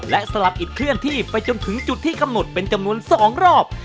และสลับอิดเคลื่อนที่ไปจนถึงจุดที่กำหนดเป็นจำนวน๒รอบ